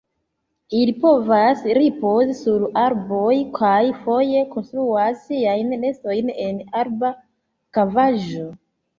Ili povas ripozi sur arboj kaj foje konstruas siajn nestojn en arba kavaĵo.